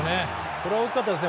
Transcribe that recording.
これは大きかったですね。